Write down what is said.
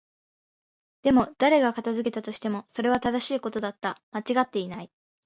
でも、誰が片付けたとしても、それは正しいことだった。間違っていない。